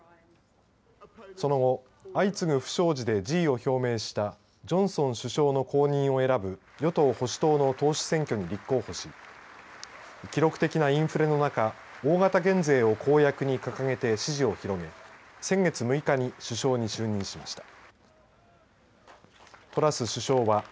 その後相次ぐ不祥事で辞意を表明したジョンソン首相の後任を選ぶ与党・保守党の党首選挙に立候補し記録的なインフレの中大型減税を公約に掲げて支持を広げ、先月６日に首相に就任しました。